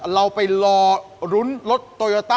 หมายเลข๕๐๐๐บาท